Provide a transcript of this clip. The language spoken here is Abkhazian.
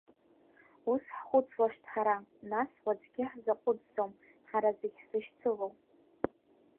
Ус ҳхәыцлашт ҳара, нас, уаҵәгьы, ҳзаҟәыҵӡом ҳара зегь ҳзышьцылоу.